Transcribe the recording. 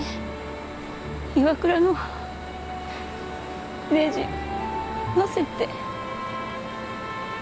ＩＷＡＫＵＲＡのねじ載せて。